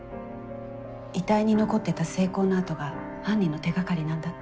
遺体に残ってた性交の跡が犯人の手がかりなんだって。